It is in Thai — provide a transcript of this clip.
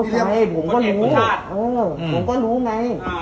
ผมก็รู้ไง